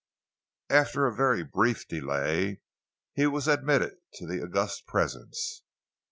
After a very brief delay, he was admitted to the august presence.